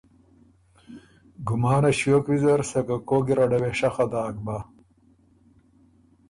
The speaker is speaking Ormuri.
ګمانه ݭیوک ویزر سکه کوک ګیرډه وې شخه داک بۀ